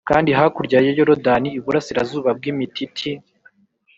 Kandi hakurya ya Yorodani iburasirazuba bw imititi